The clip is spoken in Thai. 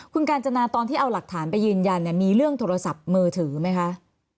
คุณกาญจนาตอนที่เอาหลักฐานไปยืนยันมีเรื่องโทรศัพท์มือถือไหมคะ